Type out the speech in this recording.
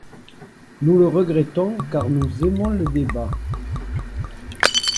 Nous le regrettons, car nous aimons le débat.